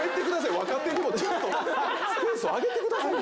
若手にもちょっとスペースをあげてくださいよ。